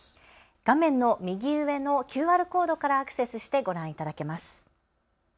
画面の右上のＱＲコードからアクセスしてご覧いただけます。